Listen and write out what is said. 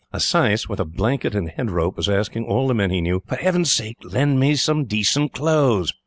A sais, with a blanket and head rope, was asking all the men he knew: "For Heaven's sake lend me decent clothes!"